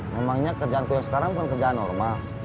memangnya kerjaan kamu yang sekarang bukan kerjaan normal